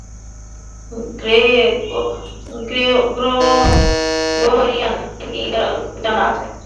Gregorian integral জানা আছে?